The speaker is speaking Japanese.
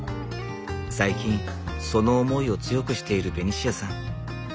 最近その思いを強くしているベニシアさん。